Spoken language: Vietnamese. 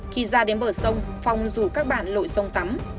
khi ra đến bờ sông phong rủ các bản lội sông tắm